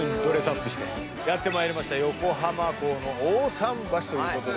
やってまいりました横浜港の大さん橋ということで。